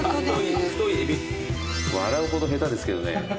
笑うほど下手ですけどね。